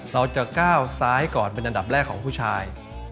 เราจะก้าวซ้ายก่อนเป็นอันดับแรกของผู้ชาย